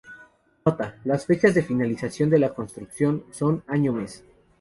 Nota: las fechas de finalización de la construcción son año-mes.